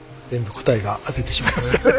全部答えが当ててしまいました。